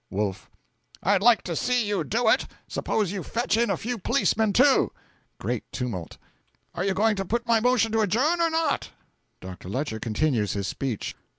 Wolf. 'I'd like to see you do it! Suppose you fetch in a few policemen too! (Great tumult.) Are you going to put my motion to adjourn, or not?' Dr. Lecher continues his speech.